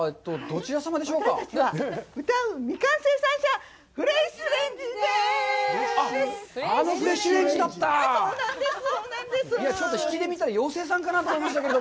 ちょっと引きで見たら妖精さんかなと思いましたけど。